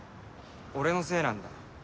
俺のせいなんだ。